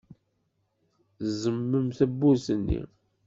Tzemmem tewwurt-nni.